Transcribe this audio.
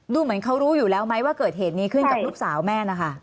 ดูเหมือนเขารู้อยู่แล้วไหมว่าเกิดเหตุนี้ขึ้นกับลูกสาวแม่นะคะ